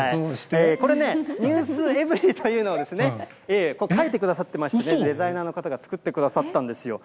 これね、ｎｅｗｓｅｖｅｒｙ．というのを書いてくださってまして、デザイナーの方が作ってくださったんですよ。